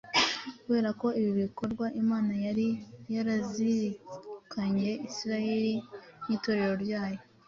kubera ibi bikorwa imana yari yarazirikanye isirayeri nk’itorero ryayo.